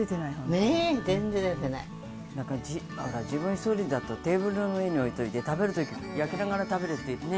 自分ひとりだとテーブルの上に置いといて食べるとき焼きながら食べられてね。